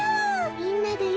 みんなでよ